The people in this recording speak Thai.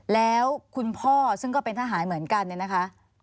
แล้วคุณพ่อซึ่งก็เป็นทหารเหมือนกันเนี่ยนะคะ